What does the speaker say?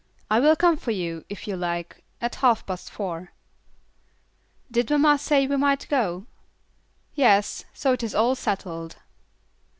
I will come for you, if you like, at half past four." "Did mamma say we might go?" "Yes, so it is all settled."